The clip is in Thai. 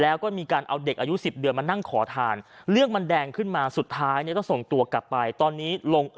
แล้วก็มีการเอาเด็กอายุ๑๐เดือนมานั่งขอทานเรื่องมันแดงขึ้นมาสุดท้ายเนี่ยต้องส่งตัวกลับไปตอนนี้ลง